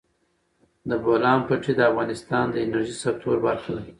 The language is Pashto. د بولان پټي د افغانستان د انرژۍ سکتور برخه ده.